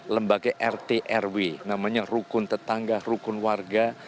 lembaga rt rw namanya rukun tetangga rukun warga